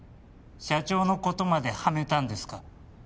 社長のことまでハメたんですか？